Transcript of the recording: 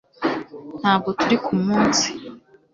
ntabwo turi ku munsi